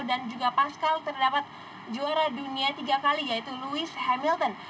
dan juga pascal terdapat juara dunia tiga kali yaitu lewis hamilton